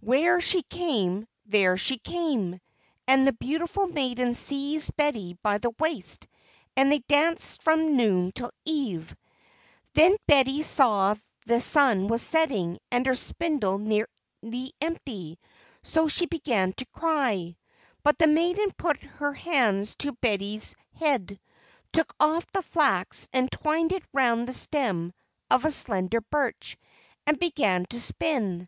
Where she came, there she came! and the beautiful maiden seized Betty by the waist, and they danced from noon till eve. Then Betty saw that the sun was setting and her spindle nearly empty, so she began to cry. But the maiden put her hands to Betty's head, took off the flax, and twined it round the stem of a slender birch, and began to spin.